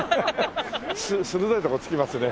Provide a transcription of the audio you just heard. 鋭いとこ突きますね。